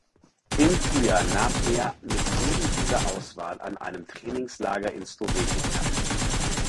Im Frühjahr nahm er mit ebendieser Auswahl an einem Trainingslager in Slowenien teil.